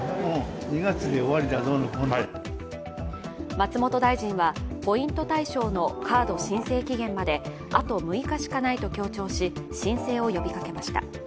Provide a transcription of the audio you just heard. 松本大臣はポイント対象のカード申請期限まであと６日しかないと強調し、申請を呼びかけました。